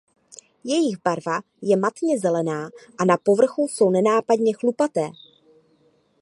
Jejich barva je matně zelená a na povrchu jsou nenápadně chlupaté.